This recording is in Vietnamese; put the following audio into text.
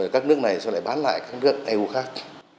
các nước này sau này bán lại các nước eu khác